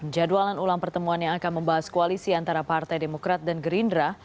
jadwalan ulang pertemuan yang akan membahas koalisi antara partai demokrat dan gerindra